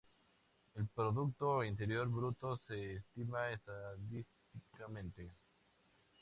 El Producto Interior Bruto se estima estadísticamente.